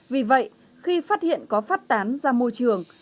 vì vậy khi phát hiện có phát tán ra môi trường